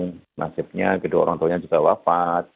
kemudian nasibnya kedua orang tuanya juga wafat